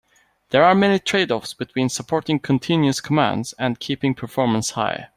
There are many trade-offs between supporting continuous commands and keeping performance high.